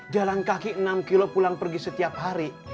jalan kaki enam kilo pulang pergi setiap hari